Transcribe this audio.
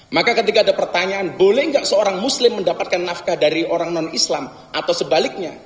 maka ketika ada pertanyaan boleh nggak seorang muslim mendapatkan nafkah dari orang non islam atau sebaliknya